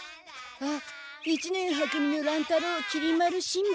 あっ一年は組の乱太郎きり丸しんべヱ。